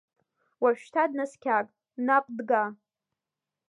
Уажәшьҭа днаскьаг, наҟ дга!